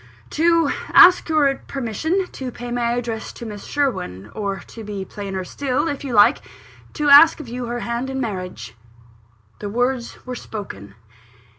"To ask your permission to pay my addresses to Miss Sherwin or, to be plainer still, if you like, to ask of you her hand in marriage." The words were spoken.